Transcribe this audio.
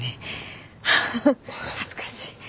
ハハッ。恥ずかしい。